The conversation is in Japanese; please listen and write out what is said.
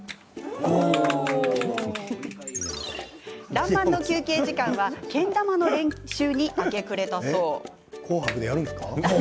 「らんまん」の休憩時間はけん玉の練習に明け暮れたそう。